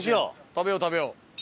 食べよう食べよう！